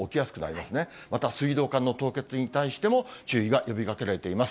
また水道管の凍結に対しても、注意が呼びかけられています。